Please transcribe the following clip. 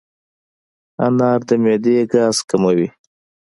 انار د معدې ګاز کموي.